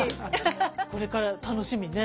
これから楽しみね。